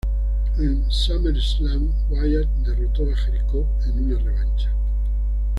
En SummerSlam, Wyatt derrotó a Jericho en una revancha.